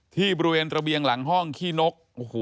ที่บริเวณระเบียงหลังห้องขี้นก